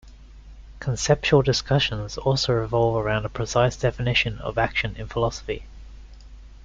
Conceptual discussions also revolve around a precise definition of action in philosophy.